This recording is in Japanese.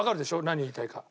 何言いたいか。